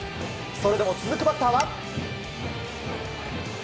それでも続くバッターは。